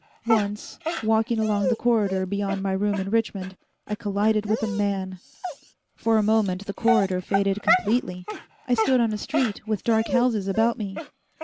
Once, walking along the corridor beyond my room in Richmond, I collided with a man. For a moment the corridor faded completely. I stood on a street with dark houses about me.